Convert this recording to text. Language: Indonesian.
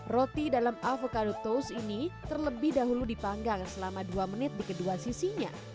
roti dalam avocado toast ini terlebih dahulu dipanggang selama dua menit di kedua sisinya